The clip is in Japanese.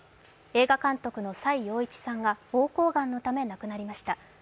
映画監督の崔洋一さんがぼうこうがんのため亡くなりました。